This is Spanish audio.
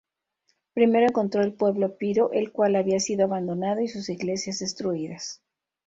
Primero encontró el pueblo Piro, el cual había sido abandonado y sus iglesias destruidas.